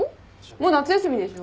もう夏休みでしょ？